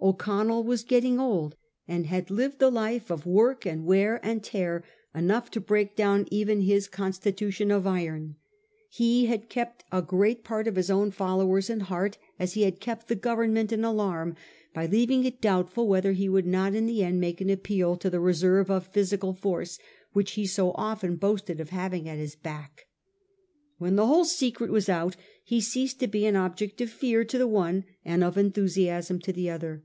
O'Connell was getting old, and had lived a life of work and wear and tear enough to break down even his constitution 300 A HISTORY OF OUR OWN TIMES. cn. xtr. of iron. He had kept a great part of his own fol lowers in heart, as he had kept the Government in fl.1n.rmj by leaving it doubtful whether he would not in the end make an appeal to the reserve of physical force which he so often boasted of having at his back. "When the whole secret was out, he ceased to be an object of fear to the one, and of enthusiasm to the other.